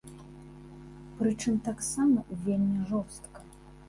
Прычым, таксама вельмі жорстка.